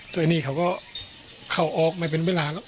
ไอ้นี่เขาก็เข้าออกไม่เป็นเวลาแล้ว